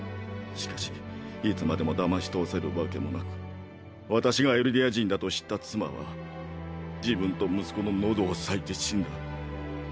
しかしいつまでも騙し通せるわけもなく私がエルディア人だと知った妻は自分と息子の喉を裂いて死んだ。